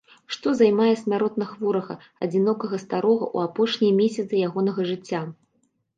Што займае смяротна хворага, адзінокага старога ў апошнія месяцы ягонага жыцця?